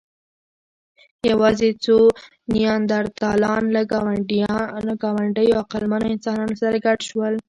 یواځې څو نیاندرتالان له ګاونډيو عقلمنو انسانانو سره ګډ شول.